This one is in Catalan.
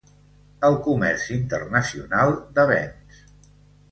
El comerç internacional de béns.